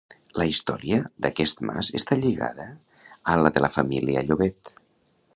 La història d'aquest mas està lligada a la de la família Llobet.